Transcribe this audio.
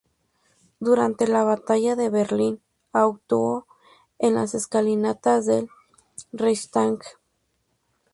Durante la Batalla de Berlín actuó en las escalinatas del Reichstag.